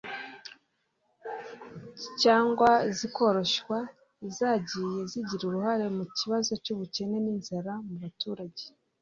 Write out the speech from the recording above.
cyangwa zikoroshywa zagiye zigira uruhare mu kibazo cy' ubukene n' inzara mu baturage